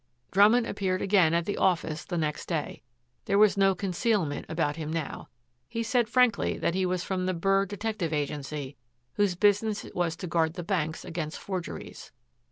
Drummond appeared again at the office the next day. There was no concealment about him now. He said frankly that he was from the Burr Detective Agency, whose business it was to guard the banks against forgeries.